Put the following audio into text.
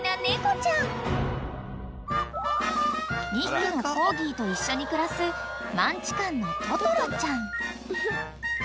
［２匹のコーギーと一緒に暮らすマンチカンのととろちゃん］